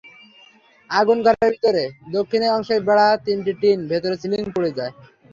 আগুনে ঘরের দক্ষিণ অংশের বেড়া, তিনটি টিন, ভেতরের সিলিং পুড়ে যায়।